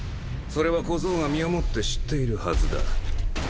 それは小僧が身をもって知っているはずだ。